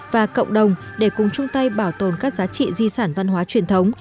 và cộng đồng để cùng chung tay bảo tồn các giá trị di sản văn hóa truyền thống